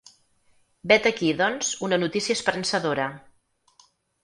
Vet aquí, doncs, una notícia esperançadora.